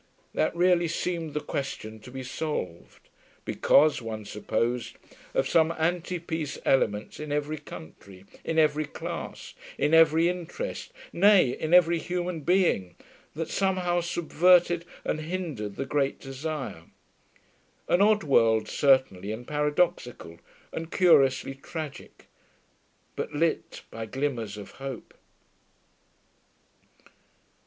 That really seemed the question to be solved. Because, one supposed, of some anti peace elements in every country, in every class, in every interest, nay, in every human being, that somehow subverted and hindered the great desire. An odd world, certainly, and paradoxical, and curiously tragic. But lit by glimmers of hope....